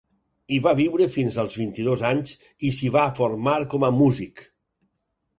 Hi va viure fins als vint-i-dos anys i s’hi va formar com a músic.